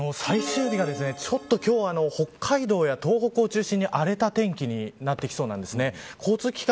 最終日が今日は北海道や東北を中心に荒れた天気になってきそうです。